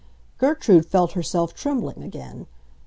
Gertrude felt herself trembling again.